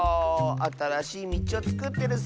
あたらしいみちをつくってるッス。